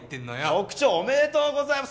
局長おめでとうございます。